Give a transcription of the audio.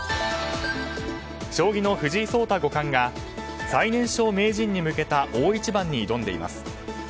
将棋の藤井聡太五冠が最年少名人に向けた大一番に挑んでいます。